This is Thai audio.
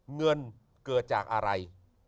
เงินเกิดจากอะไร